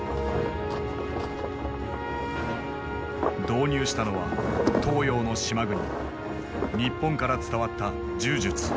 導入したのは東洋の島国日本から伝わった柔術。